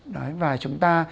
đấy và chúng ta